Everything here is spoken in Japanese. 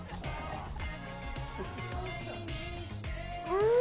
うん！